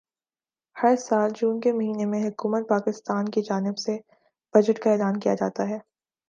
ہر سال جون کے مہینے میں حکومت پاکستان کی جانب سے بجٹ کا اعلان کیا جاتا ہے